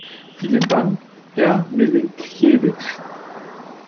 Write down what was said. Vielen Dank, Herr Milinkewitsch.